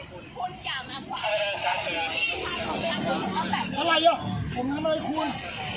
ต้องแบบเนี่ยอะไรอ่ะผมข้ำใบคุณ